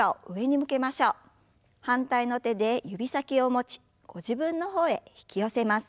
反対の手で指先を持ちご自分の方へ引き寄せます。